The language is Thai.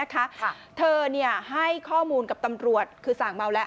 คิดสั่งเมาแล้ว